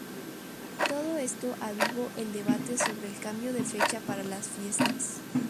Todo esto avivó el debate sobre el cambio de fecha para las fiestas.